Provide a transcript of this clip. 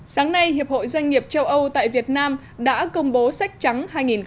sáng nay hiệp hội doanh nghiệp châu âu tại việt nam đã công bố sách trắng hai nghìn một mươi chín